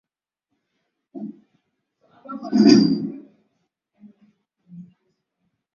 Benki ya Dunia ilisema mapato ya Uganda kwa kila mtu yaliimarika sana kati ya elfu mbili na moja